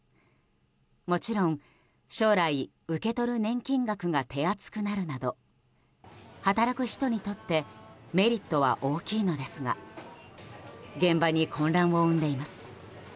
もちろん、将来受け取る年金額が手厚くなるなど働く人にとってメリットは大きいのですが現場に混乱を生んでいます。